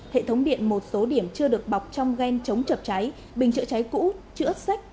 hệ thống điện một số điểm chưa được bọc trong ghen chống chập cháy bình chữa cháy cũ chữa sách